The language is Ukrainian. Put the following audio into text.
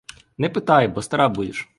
Не питай, бо стара будеш.